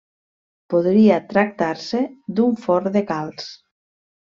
Podria tractar-se d'un forn de calç.